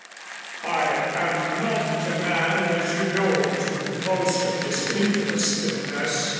I am not a man, as you know, to boast of disinterestedness.